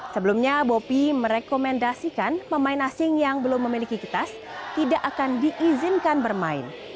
sebelumnya bopi merekomendasikan pemain asing yang belum memiliki kitas tidak akan diizinkan bermain